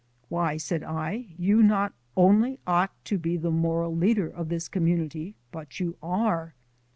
"Why," said I, "you not only ought to be the moral leader of this community, but you are!"